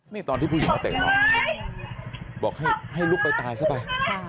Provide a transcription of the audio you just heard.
นี่ตอนที่ผู้หญิงมาเตะต่อบอกให้ลุกไปตายซะไป